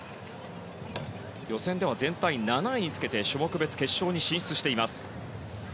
予選では全体７位につけて種目別決勝に進出しています。